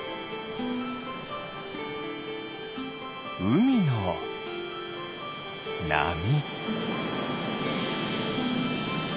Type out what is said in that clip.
うみのなみ。